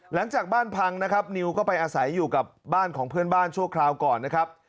หลังจากบ้านพังนะครับนิวก็ไปอาศัยอยู่กับบ้านของเพื่อนบ้านชั่วคราวก่อนนะครับ